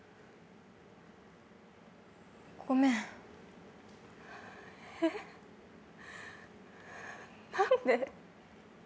ごめんえっ何で？